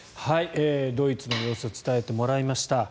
ドイツの様子伝えてもらいました。